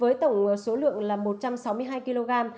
với tổng số lượng là một trăm sáu mươi hai kg